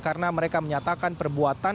karena mereka menyatakan perbuatan